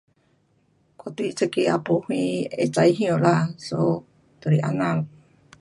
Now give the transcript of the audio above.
我对这个也没什么会知晓啦，so 就是这样咯。